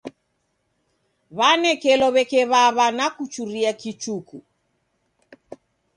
W'anekelo w'eke w'aw'a na kuchuria kichuku.